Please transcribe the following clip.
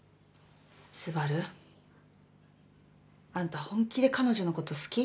あんた本気で彼女のこと好き？